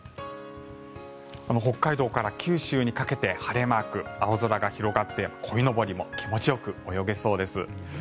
北海道から九州にかけて晴れマーク青空が広がって、こいのぼりも気持ちよく泳げそうです。